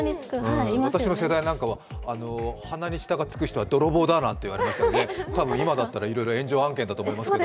私の世代なんかは、鼻に舌がつく人は泥棒だなんてありましたが、たぶん今だったらいろいろ炎上案件だと思いますけど。